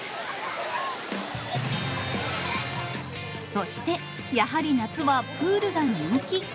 そして、やはり夏はプールが人気。